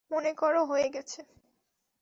মনে কর হয়ে গেছে!